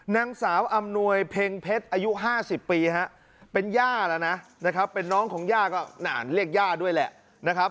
นางสาวอำนวยเพ็งเพชรอายุ๕๐ปีฮะเป็นย่าแล้วนะนะครับเป็นน้องของย่าก็นานเรียกย่าด้วยแหละนะครับ